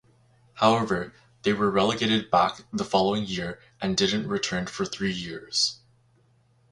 However they were relegated back the following year and didn't return for three years.